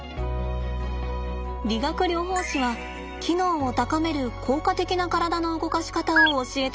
理学療法士は機能を高める効果的な体の動かし方を教えてくれました。